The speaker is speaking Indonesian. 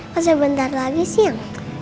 pasal bentar lagi siang